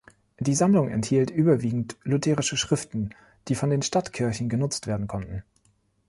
Die Sammlung enthielt überwiegend lutherische Schriften, die von den Stadtkirchen genutzt werden konnten.